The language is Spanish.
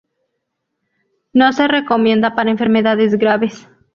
No se recomienda para enfermedades graves.